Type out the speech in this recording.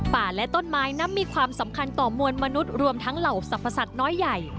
และต้นไม้นั้นมีความสำคัญต่อมวลมนุษย์รวมทั้งเหล่าสรรพสัตว์น้อยใหญ่